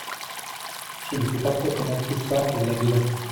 Je ne sais pas trop comment tout ça est là dedans ?